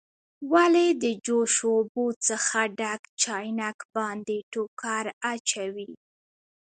ولې د جوش اوبو څخه ډک چاینک باندې ټوکر اچوئ؟